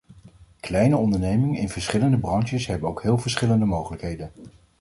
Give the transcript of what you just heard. Kleine ondernemingen in verschillende branches hebben ook heel verschillende mogelijkheden.